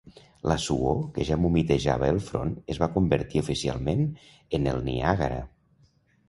La suor que ja m'humitejava el front es va convertir oficialment en el Niàgara.